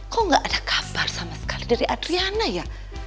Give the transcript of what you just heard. kok gak ada kabar sama sekali dari adriana ya